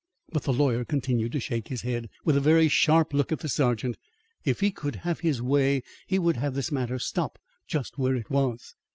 But the lawyer continued to shake his head, with a very sharp look at the sergeant. If he could have his way, he would have this matter stop just where it was.